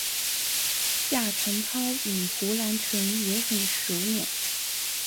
夏承焘与胡兰成也很熟稔。